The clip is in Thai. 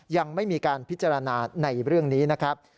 ยังไม่มีการพิจารณาในเรื่องนี้นะครับ